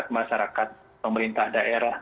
masyarakat pemerintah daerah